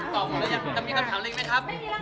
ตอบหมดแล้วจะมีคำถามอีกไหมครับ